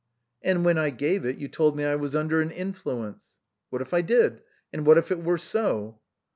" And when I gave it you told me I was under an influence." " What if I did ? And what if it were so